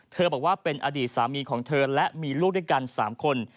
บอกว่าเป็นอดีตสามีของเธอและมีลูกด้วยกัน๓คน